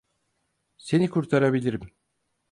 Seni kurtarabilirim.